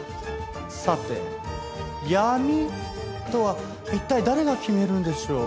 さて闇とは一体誰が決めるんでしょう？